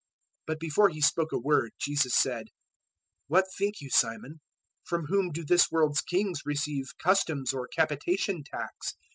But before he spoke a word Jesus said, "What think you, Simon? From whom do this world's kings receive customs or capitation tax?